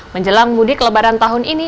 menjelang mudik lebaran tahun ini